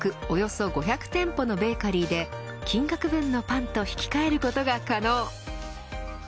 およそ５００店舗のベーカリーで金額分のパンと引き換えることが可能。